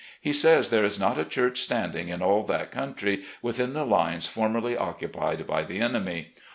He says there is not a chtirch standing in all that country, within the lines formerly occupied by the enemy.